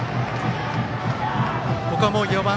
ここはもう、４番。